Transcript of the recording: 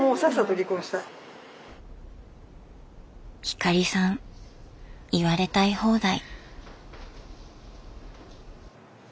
光さん言われたい放題？